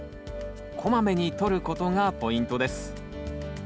こまめにとることがポイントです。